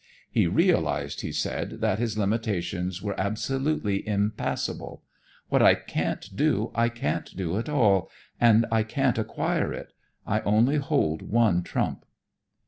He realized, he said, that his limitations were absolutely impassable. "What I can't do, I can't do at all, and I can't acquire it. I only hold one trump."